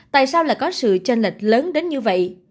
tại sao lại có sự tranh lệch lớn đến như vậy